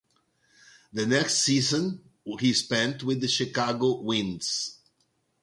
The next season he spent with the Chicago Winds.